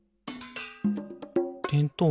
てんとう